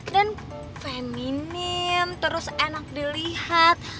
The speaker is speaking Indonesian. dan feminim terus enak dilihat